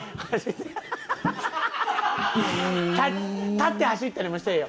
立って走ったりもしてええよ。